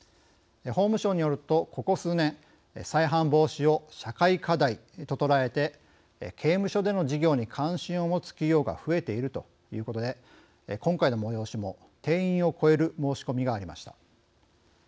法務省によると、ここ数年再犯防止を社会課題と捉えて刑務所での事業に関心を持つ企業が増えているということで今回の催しも定員を超える申し込みがありました。